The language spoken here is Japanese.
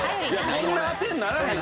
そんな当てにならへん。